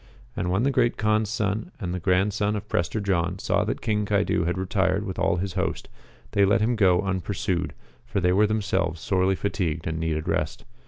And when the Great Kaan's son and the grandson of Prester John saw that King Caidu had retired with all his host, they let them go unpursued, for they were themselves sorely fatigued and needed rest.